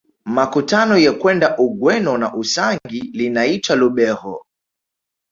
Makutano ya kwenda Ugweno na Usangi linaitwa Lubegho